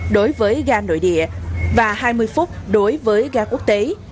đối với gan đội địa và hai mươi phút đối với hành lý